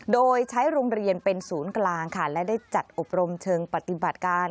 โดยใช้โรงเรียนเป็นศูนย์กลางค่ะและได้จัดอบรมเชิงปฏิบัติการ